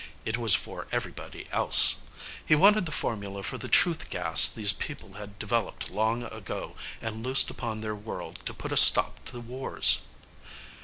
It was for everybody else. He wanted the formula for the truth gas these people had developed long ago and loosed upon their world to put a stop to wars.